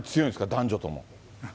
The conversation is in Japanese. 男女とも。